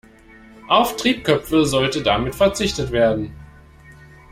Auf Triebköpfe sollte damit verzichtet werden.